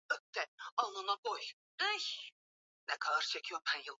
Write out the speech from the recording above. Pesa ni sabuni ya roho